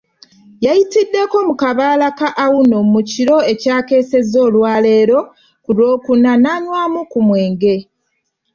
Yayitiddeko mu Kabaala ka Auno mu kiro ekyakeesezza olwaleero ku Lwokuna nanywamu ku mwenge.